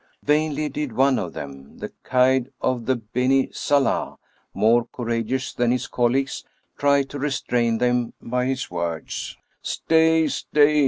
Vainly did one of them, the Caid of the Beni Salah, more courageous than his colleagues, try to restrain them by his words :" Stay! stay!